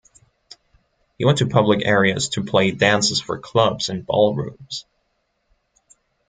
He went to public areas to play dances for clubs and ballrooms.